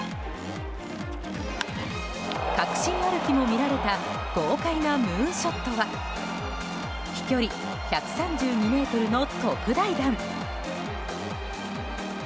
確信歩きも見られた豪快なムーンショットは飛距離１３２ｍの特大弾。